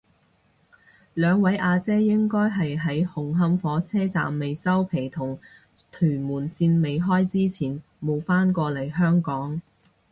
兩位阿姐應該係喺紅磡火車站未收皮同屯馬綫未開之前冇返過嚟香港